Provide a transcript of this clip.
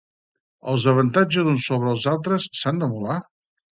Els avantatges d'uns sobre els altres s'han d'emular?